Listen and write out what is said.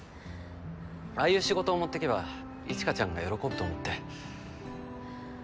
ああいう仕事を持ってけば一華ちゃんが喜ぶと思って。